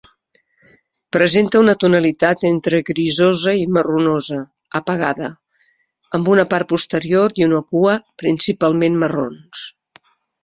Presenta una tonalitat entre grisosa i marronosa apagada, amb una part posterior i una cua principalment marrons.